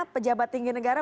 pejabat tinggi negara